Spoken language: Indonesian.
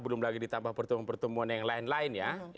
belum lagi ditambah pertumbuhan pertumbuhan yang lain lain ya